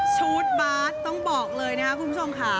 ชุดบาสต้องบอกเลยนะครับคุณผู้ชมค่ะ